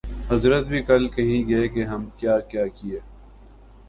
حضرت بھی کل کہیں گے کہ ہم کیا کیا کیے